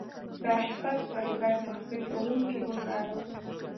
د اشپز پر ځاي پخلی کونکی وکاروئ